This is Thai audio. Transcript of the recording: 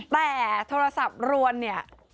แต่โทรศัพท์รวมเนี่ย